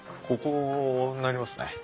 ここになりますね。